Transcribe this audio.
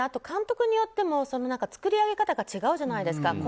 監督によっても作り上げ方が違うじゃないですか。